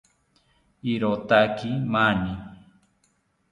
Irotaki mani